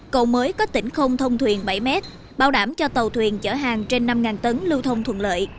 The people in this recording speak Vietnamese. cầu mới có tỉnh không thông thuyền bảy m bảo đảm cho tàu thuyền chở hàng trên năm tấn lưu thông thuận lợi